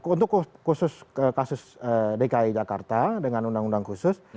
untuk khusus kasus dki jakarta dengan undang undang khusus